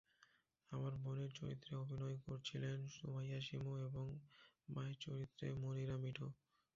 আমার বোনের চরিত্রে অভিনয় করছিলেন সুমাইয়া শিমু এবং মায়ের চরিত্রে মনিরা মিঠু।